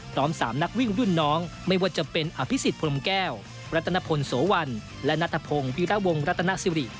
๓นักวิ่งรุ่นน้องไม่ว่าจะเป็นอภิษฎพรมแก้วรัตนพลโสวันและนัทพงศ์วีระวงรัตนสิริ